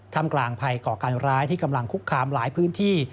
ทำกลางภัยก่อการร้ายที่กำลังคุกคามหลายพื้นที่